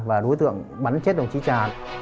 và đối tượng bắn chết đồng chí trà